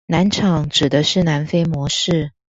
南廠指的是南非模式